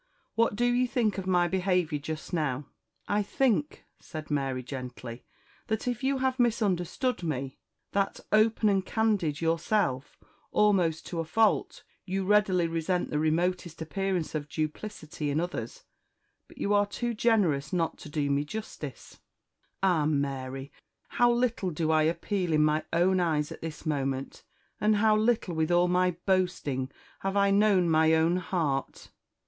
What do you think of my behaviour just now?" "I think," said Mary gently, "that if you have misunderstood me; that, open and candid yourself, almost to a fault, you readily resent the remotest appearance of duplicity in others. But you are too generous not to do me justice " "Ah, Mary! how little do I appeal in my own eyes at this moment; and how little, with all my boasting, have I known my own heart!